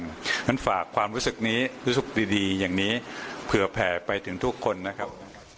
งั้นฝากความรู้สึกนี้รู้สึกดีอย่างนี้เผื่อแผ่ไปถึงทุกคนนะครับ